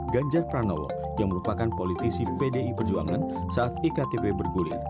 ganjar pranowo yang merupakan politisi pdi perjuangan saat iktp bergulir